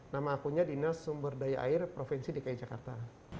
nama akunnya dinas sumberdaya air provinsi dki jakarta